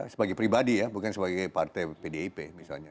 sebagai pribadi ya bukan sebagai partai pdip misalnya